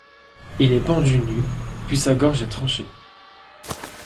Il est pendu nu, puis sa gorge est tranchée.